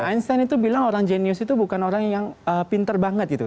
instant itu bilang orang jenius itu bukan orang yang pinter banget gitu